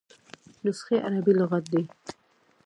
نسخه عربي لغت دﺉ.